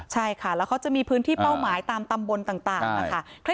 ใช่ค่ะแล้วเขาจะมีพื้นที่เป้าหมายตามตำบลต่างนะคะ